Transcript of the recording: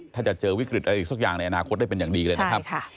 ถ้าจะเจอวิกฤตอะไรสักอย่างในอนาคตได้เป็นอย่างดีเลยนะครับ